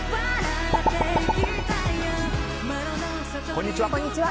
こんにちは。